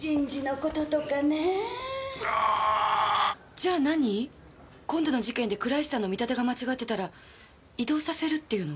じゃあ何今度の事件で倉石さんの見立てが間違ってたら異動させるっていうの？